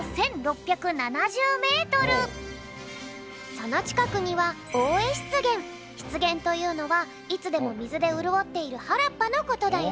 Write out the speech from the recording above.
そのちかくにはしつげんというのはいつでもみずでうるおっているはらっぱのことだよ。